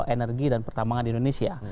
energi dan pertambangan di indonesia